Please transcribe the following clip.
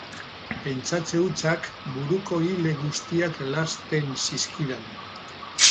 Pentsatze hutsak buruko ile guztiak lazten zizkidan.